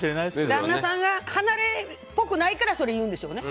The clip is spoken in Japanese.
旦那さんが離れないから言うんでしょうね。